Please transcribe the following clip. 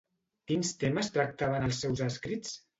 Quins temes tractava en els seus escrits?